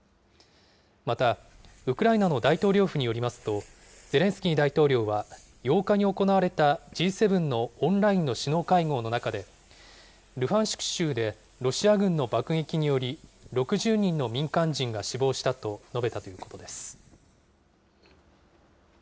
また、ウクライナの大統領府によりますと、ゼレンスキー大統領は、８日に行われた、Ｇ７のオンラインの首脳会合の中で、ルハンシク州でロシア軍の爆撃により、６０人の民間人が死亡したと述べたということです。